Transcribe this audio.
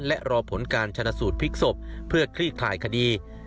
และรอผลการชนะสูตรพลิกศพเพื่อคลี่คลายคดี